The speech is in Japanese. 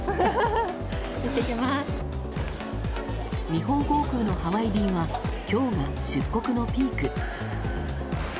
日本航空のハワイ便は今日が出国のピーク。